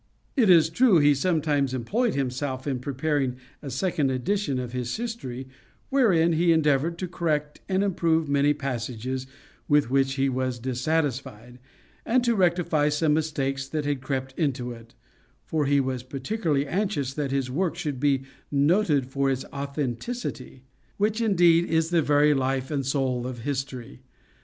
It is true he sometimes employed himself in preparing a second edition of his history, wherein he endeavored to correct and improve many passages with which he was dissatisfied, and to rectify some mistakes that had crept into it; for he was particularly anxious that his work should be noted for its authenticity; which, indeed, is the very life and soul of history.